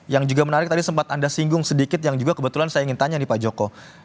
yang juga menarik tadi sempat anda singgung sedikit yang juga kebetulan saya ingin tanya nih pak joko